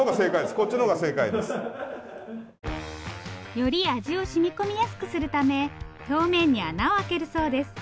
より味をしみ込みやすくするため表面に穴を開けるそうです。